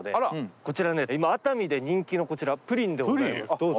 こちらね今熱海で人気のこちらプリンでございますどうぞ。